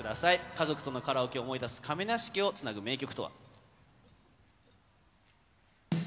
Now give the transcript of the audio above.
家族とのカラオケを思い出す亀梨家をつなぐ名曲とは。